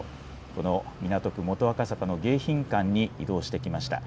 この港区元赤坂の迎賓館に移動してきました。